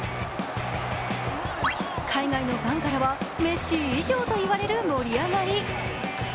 海外のファンからは、メッシ以上と言われる盛り上がり。